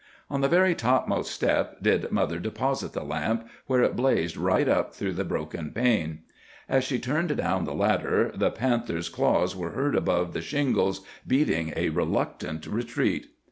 "On the very topmost step did mother deposit the lamp, where it blazed right up through the broken pane. As she turned down the ladder, the panther's claws were heard along the shingles, beating a reluctant retreat.